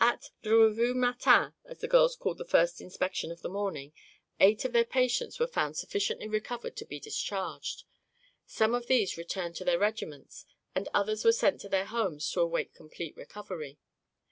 At "le revue matin," as the girls called the first inspection of the morning, eight of their patients were found sufficiently recovered to be discharged. Some of these returned to their regiments and others were sent to their homes to await complete recovery.